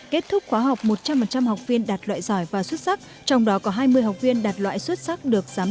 kết thúc khóa học một trăm linh học viên đạt loại giỏi và xuất sắc